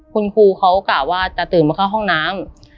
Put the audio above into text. คุณครูเขากะว่าจะตื่นมาเข้าห้องน้ำ